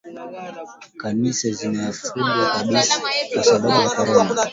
Kanisa zilifungwa kwa sababu ya Corona.